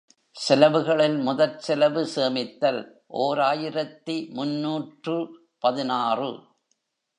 செலவுகளில் முதற் செலவு சேமித்தல் ஓர் ஆயிரத்து முன்னூற்று பதினாறு.